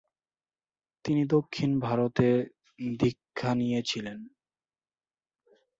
তিনি দক্ষিণ ভারতে দীক্ষা নিয়েছিলেন।